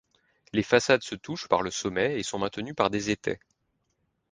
Les façades se touchent par le sommet, et sont maintenues par des étais.